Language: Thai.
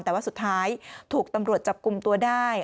แต่ว่าสุดท้ายถูกตำรวจจับกลุ่มตัวได้